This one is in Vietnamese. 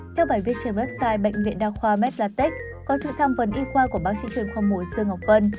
theo bài viết trên website bệnh viện đa khoa medlatic có sự tham vấn y khoa của bác sĩ truyền khoa mùa sương ngọc vân